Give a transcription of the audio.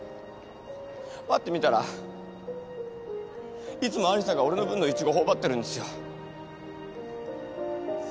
ぱって見たらいつも有沙が俺の分のイチゴ頬張ってるんですよ。